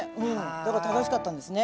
だから正しかったんですね。